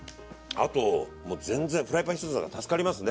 あともう全然フライパン１つだから助かりますね。